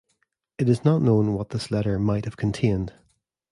It is not known what this letter might have contained.